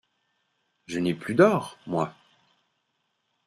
Je n’ai plus d’or, moi.